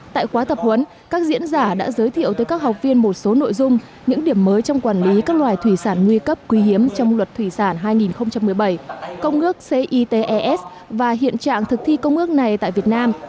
tại khóa tập huấn các diễn giả đã giới thiệu tới các học viên một số nội dung những điểm mới trong quản lý các loài thủy sản nguy cấp quý hiếm trong luật thủy sản hai nghìn một mươi bảy công ước cites và hiện trạng thực thi công ước này tại việt nam